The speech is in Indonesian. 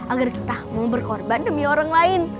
agar kita mau berkorban demi orang lain